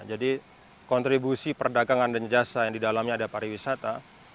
kontribusi perdagangan dan jasa yang didalamnya ada pariwisata